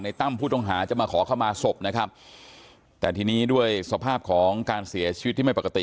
ตั้มผู้ต้องหาจะมาขอเข้ามาศพนะครับแต่ทีนี้ด้วยสภาพของการเสียชีวิตที่ไม่ปกติ